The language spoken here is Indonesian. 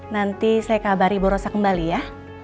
nanti saya kabari bu rosa kembali ya